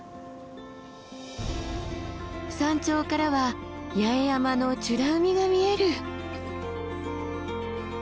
山頂からは八重山の美ら海が見える。